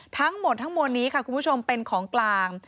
ทั้งหมดทั้งมวลนี้ค่ะคุณผู้ชมเป็นของกลาง